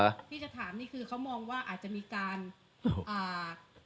ที่จะถามนี่คือเขามองว่าอาจจะมีการอ่า